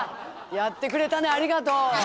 やってくれたねありがとう！